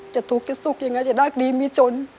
จะทุกข์จะสุขยังไงจะรักดีมีจน